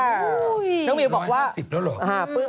อู้๊ย๑๕๐แล้วเหรอน้องมิวบอกว่าอาฮะ